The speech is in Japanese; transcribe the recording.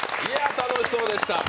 楽しそうでした。